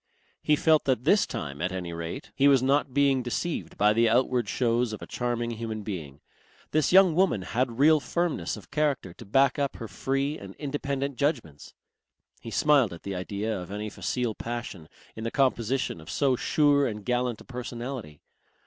He felt that this time at any rate he was not being deceived by the outward shows of a charming human being. This young woman had real firmness of character to back up her free and independent judgments. He smiled at the idea of any facile passion in the composition of so sure and gallant a personality.